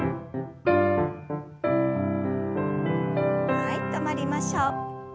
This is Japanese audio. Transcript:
はい止まりましょう。